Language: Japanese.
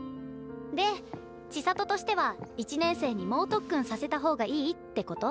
で千砂都としては１年生に猛特訓させた方がいいってこと？